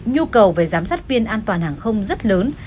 nhu cầu về giám sát viên an toàn hàng không rất lớn